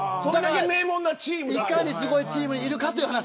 いかにすごいチームにいるかという話。